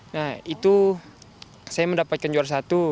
nah itu saya mendapatkan juara satu